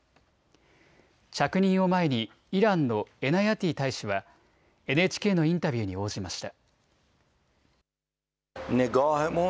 着任を前にイランのエナヤティ大使はＮＨＫのインタビューに応じました。